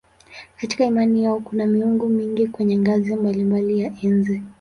Katika imani yao kuna miungu mingi kwenye ngazi mbalimbali ya enzi.